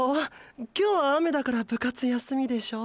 今日は雨だから部活休みでしょ？